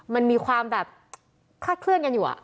มันมีความแบบคลาดเคลื่อนกันอยู่